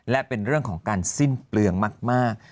และเป็นเรื่องของการสิ้นเปลืองมาก